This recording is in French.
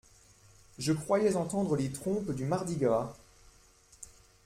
Je croyais entendre les trompes du mardi gras…